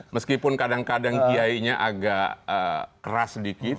meskipun kadang kadang kiai nya agak keras sedikit